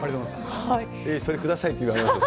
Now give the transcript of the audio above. それ、くださいと言われますよ。